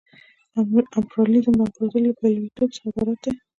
امپریالیزم د امپراطورۍ له پلویتوب څخه عبارت دی